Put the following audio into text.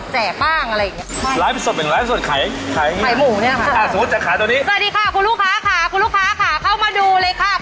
แจก